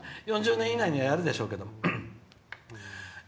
これも４０年以内にはやるでしょうけど。